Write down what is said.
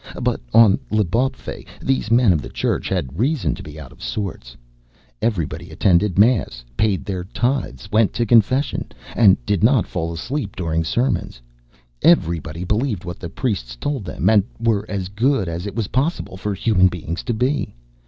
But on L'Bawpfey these men of the Church had reason to be out of sorts. Everybody attended Mass, paid their tithes, went to confession, and did not fall asleep during sermons. Everybody believed what the priests told them and were as good as it was possible for human beings to be.